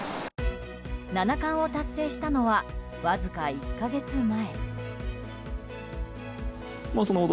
七冠を達成したのはわずか１か月前。